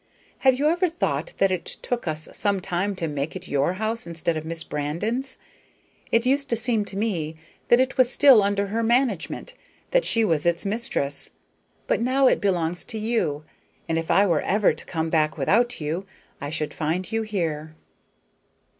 "Have you ever thought that it took us some time to make it your house instead of Miss Brandon's? It used to seem to me that it was still under her management, that she was its mistress; but now it belongs to you, and if I were ever to come back without you I should find you here."